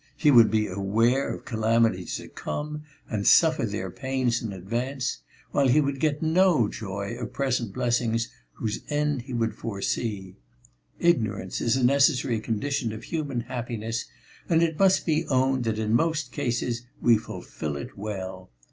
He would be aware of calamities to come and suffer their pains in advance, while he would get no joy of present blessings whose end he would foresee. Ignorance is a necessary condition of human happiness, and it must be owned that in most cases we fulfil it well.